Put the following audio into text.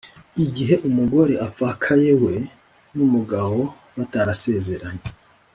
igihe umugore apfakaye we n’umugabo batarasezeranye,